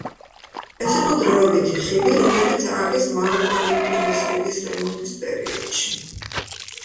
ეს იყო დროებითი ხიდი, რომელიც ააგეს მალო-კალინკინის ხიდის რემონტის პერიოდში.